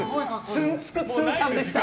ツンツクツンさんでした。